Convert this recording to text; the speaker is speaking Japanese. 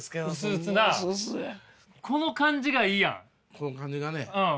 この感じがうん。